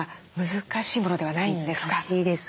難しいです。